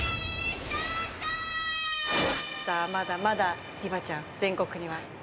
さあまだまだでぃばちゃん全国には。